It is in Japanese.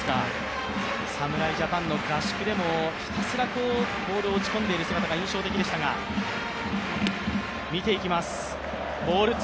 侍ジャパンの合宿でもひたすらボールを打ち込んでいる姿が印象的でしたが、見ていきます。